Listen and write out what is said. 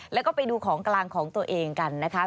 แล้วก็ไปดูของกลางของตัวเองกันนะคะ